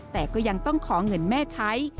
แต่ก็ยังต้องขอเงินแม่ใช้